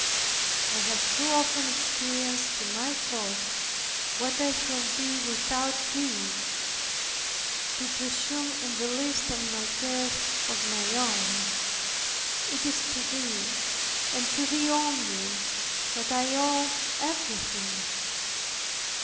I have too often experienced, to my cost, what I should be without Thee, to presume in the least on any cares of my own. It is to Thee, and to Thee only, that I owe everything.